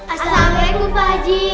assalamualaikum pak haji